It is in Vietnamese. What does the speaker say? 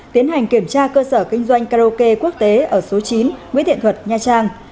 tiến hành kiểm tra cơ sở kinh doanh karaoke quốc tế ở số chín nguyễn thiện thuật nha trang